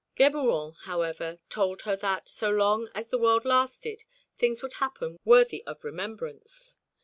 Geburon, however, told her that, so long as the world lasted, things would happen worthy of remembrance.